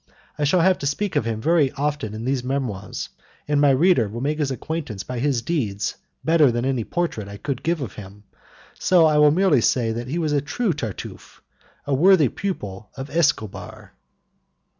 I shall have to speak of him very often in these Memoirs, and my readers will make his acquaintance by his deeds better than by any portrait I could give of him, so I will merely say that he was a true Tartufe, a worthy pupil of Escobar.